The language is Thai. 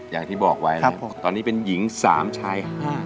อย่างที่บอกไว้นะครับตอนนี้เป็นหญิง๓ชาย๕